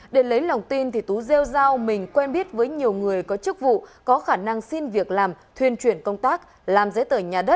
để lấy lòng tin tú rêu giao mình quen biết với nhiều người có chức vụ có khả năng xin việc làm thuyên chuyển công tác làm giấy tờ nhà đất